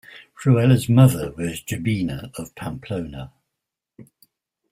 Fruela's mother was Jimena of Pamplona.